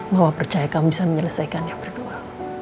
mama percaya kamu bisa menyelesaikan yang kedua